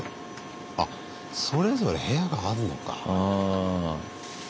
あそれぞれ部屋があんのか。